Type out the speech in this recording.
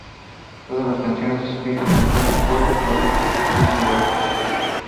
Todas las canciones escritas y compuestas por Fall Out Boy.